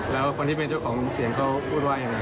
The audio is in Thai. แล้วคนที่เป็นเจ้าของเสียงเขาพูดว่ายังไง